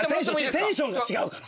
テンションが違うから。